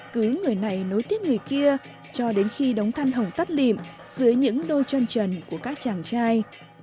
cứ người này nối tiếp người kia cho đến khi đống than hồng tắt lim dưới những đôi chân trần của các chàng trai